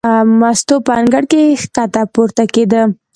مستو په انګړ کې ښکته پورته کېده.